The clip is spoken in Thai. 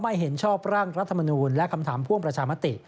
เห็นชอบร่างรัฐมนูลและคำถามพ่วงประชามติ